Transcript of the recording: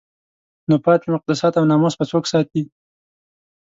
نو پاتې مقدسات او ناموس به څوک ساتي؟